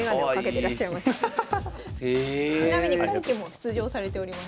ちなみに今期も出場されております。